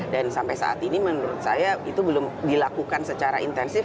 dan sampai saat ini menurut saya itu belum dilakukan secara intensif